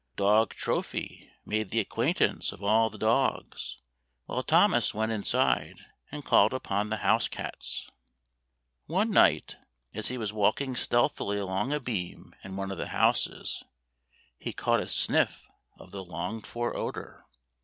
Dog Trophy made the acquaintance of all the dogs, while Thomas went inside and called upon the house cats. One night, as he was walking stealthily [ 58 ] THE ENCHANTED MEAD along a beam in one of the houses, he caught a sniff of the longed for odor.